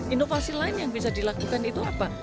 inovasi lain yang bisa dilakukan itu apa